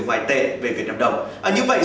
ngoại tệ về việt nam đồng như vậy